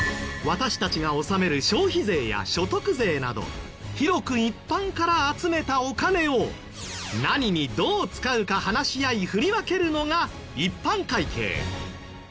私たちが納める消費税や所得税など広く一般から集めたお金を何にどう使うか話し合い振り分けるのが一般会計。